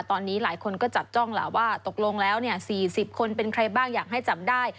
ตอนนี้หลายคนก็จับจ้องล่ะว่าตกลงแล้ว๔๐คนเป็นใครบ้างอยากให้จับได้